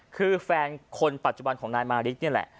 คือแฟนคนปัจจุบันของนายมาริกนี่แหละ